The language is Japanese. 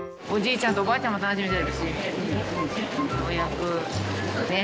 おじいちゃん、将棋。